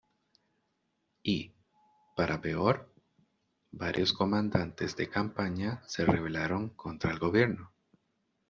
Y, para peor, varios comandantes de campaña se rebelaron contra el gobierno.